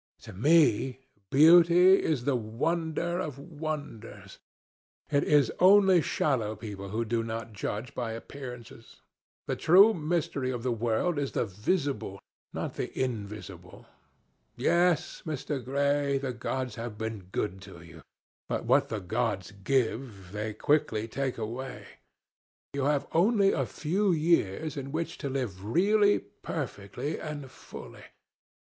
To me, beauty is the wonder of wonders. It is only shallow people who do not judge by appearances. The true mystery of the world is the visible, not the invisible.... Yes, Mr. Gray, the gods have been good to you. But what the gods give they quickly take away. You have only a few years in which to live really, perfectly, and fully.